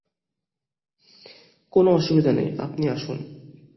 কোনো অসুবিধা নেই, আপনি আসুন।